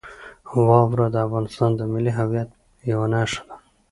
واوره د افغانستان د ملي هویت یوه نښه ده.